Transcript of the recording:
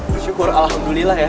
gue syukur alhamdulillah ya